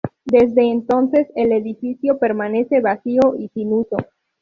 Desde entonces el edificio permanece vacío y sin uso.